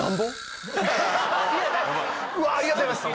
ありがとうございます。